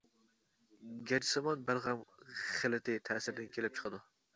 گەجسىمان بەلغەم خىلىتى تەسىرىدىن كېلىپ چىقىدۇ.